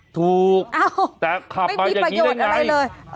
ถูกเอ้าไม่มีประโยชน์อะไรเลยแต่ขับมาอย่างนี้ได้ไงเออ